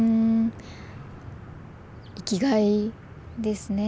生きがいですね。